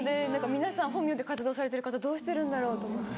皆さん本名で活動されてる方どうしてるんだろう？と思って。